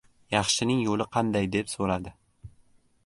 yaxshining yo‘li qanday, deb so‘radi.